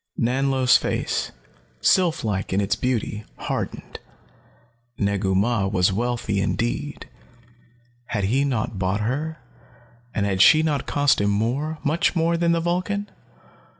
Nanlo's face, sylph like in its beauty, hardened. Negu Mah was wealthy indeed. Had he not bought her, and had she not cost him more, much more, than the Vulcan?